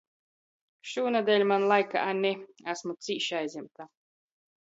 Šūnedeļ maņ laika a ni, asmu cīši aizjimta.